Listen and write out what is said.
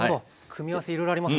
組み合わせいろいろありますね。